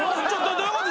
どういうこと？